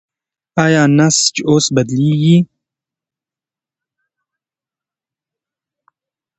ایا نسج اوس بدلېږي؟